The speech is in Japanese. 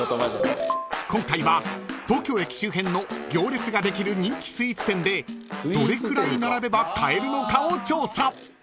［今回は東京駅周辺の行列ができる人気スイーツ店でどれくらい並べば買えるのかを調査］